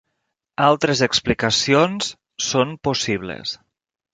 Altres explicacions són possibles.